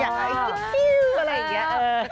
อยากให้คิดอะไรอย่างนี้